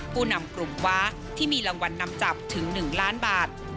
ผู้นำกลุ่มว้าที่มีรางวัลนำจับถึง๑ล้านบาท